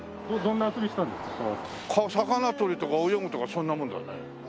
魚とりとか泳ぐとかそんなもんだね。